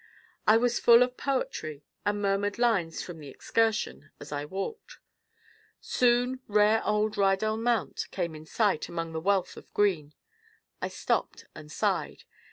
I was full of poetry and murmured lines from "The Excursion" as I walked. Soon rare old Rydal Mount came in sight among the wealth of green. I stopped and sighed.